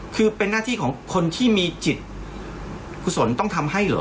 คือเป็นหน้าที่ของคนที่มีจิตกุศลต้องทำให้เหรอ